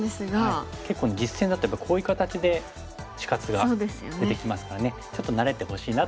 結構ね実戦だとやっぱりこういう形で死活が出てきますからねちょっと慣れてほしいなという意味で。